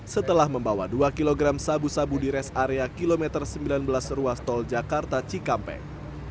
setelah membawa dua kg sabu sabu di res area kilometer sembilan belas ruas tol jakarta cikampek